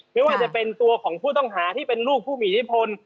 ไม่ว่าจะเป็นตัวของผู้ต้องหาที่เป็นลูกผู้มีอิทธิพล